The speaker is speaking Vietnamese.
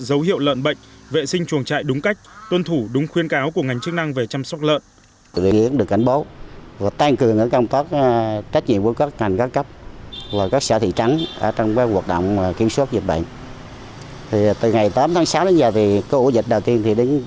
dấu hiệu lợn bệnh vệ sinh chuồng trại đúng cách tuân thủ đúng khuyên cáo của ngành chức năng về chăm sóc lợn